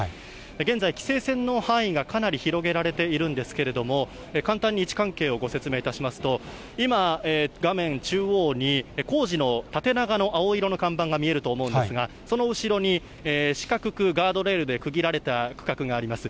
現在、規制線の範囲がかなり広げられているんですけれども、簡単に位置関係をご説明いたしますと、今、画面中央に工事の縦長の青色の看板が見えると思うんですが、その後ろに四角くガードレールで区切られた区画があります。